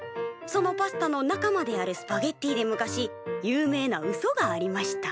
そのパスタの仲間であるスパゲッティで昔有名なうそがありました」。